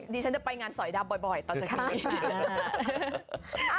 ดีฉันจะไปงานสอยดาวบ่อยตอนเช้าคืน